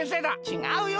ちがうよ。